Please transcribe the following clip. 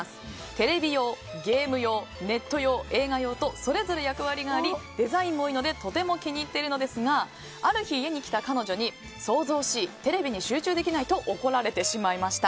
テレビ用、ゲーム用ネット用、映画用とそれぞれ役割がありデザインもよいのでとても気に入っているのですがある日、家に来た彼女に騒々しいテレビに集中できないと怒られてしまいました。